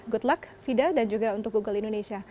good luck fida dan juga untuk google indonesia